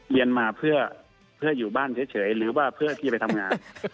เรียนมาเพื่ออยู่บ้านเฉยหรือว่าเพื่อที่จะไปทำงาน